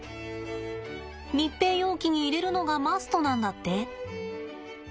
密閉容器に入れるのがマストなんだって。